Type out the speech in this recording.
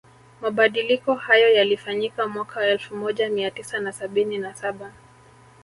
Mabadiliko hayo yalifanyika mwaka elfu moja mia tisa na sabini na saba